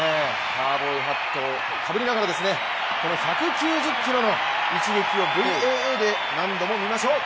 カウボーイハットをかぶりながら１９０キロの一撃をＶＡＡで何度も見ましょう。